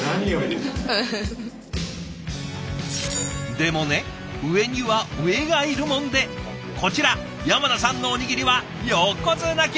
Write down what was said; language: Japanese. でもね上には上がいるもんでこちら山名さんのおにぎりは横綱級！